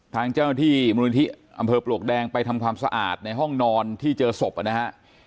ทางเจ้าหน้าที่มูลนิธิอำเภอปลวกแดงไปทำความสะอาดในห้องนอนที่เจอศพนะฮะ